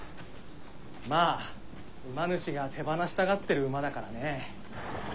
まあ馬主が手放したがってる馬だからね。